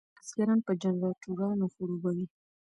بزګران په جنراټورانو خړوبوي.